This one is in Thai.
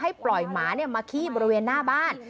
ปล่อยหมามาขี้บริเวณหน้าบ้าน